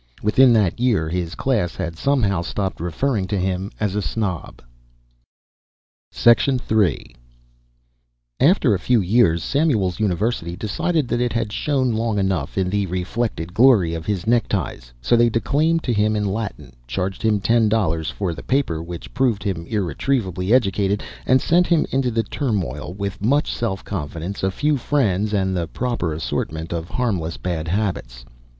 Within that year his class had somehow stopped referring to him as a snob. III After a few years Samuel's university decided that it had shone long enough in the reflected glory of his neckties, so they declaimed to him in Latin, charged him ten dollars for the paper which proved him irretrievably educated, and sent him into the turmoil with much self confidence, a few friends, and the proper assortment of harmless bad habits.